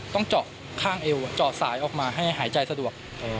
ต้องเจาะข้างเอวเจาะสายออกมาให้หายใจสะดวก